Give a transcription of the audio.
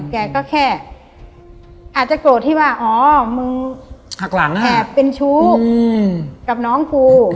แกก็แค่อาจจะโกรธที่ว่าอ๋อมึงหักหลังแอบเป็นชู้กับน้องกู